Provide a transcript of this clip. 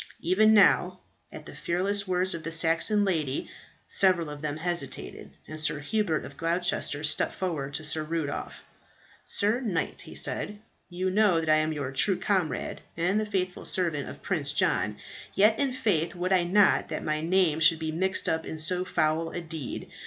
Even now, at the fearless words of the Saxon lady several of them hesitated, and Sir Hubert of Gloucester stepped forward to Sir Rudolph. "Sir knight," he said, "you know that I am your true comrade and the faithful servant of Prince John. Yet in faith would I not that my name should be mixed up in so foul a deed.